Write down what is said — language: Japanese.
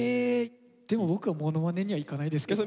でも僕はモノマネにはいかないですけどね。